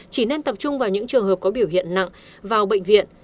chỉ nên tập trung vào những trường hợp có biểu hiện nặng vào bệnh viện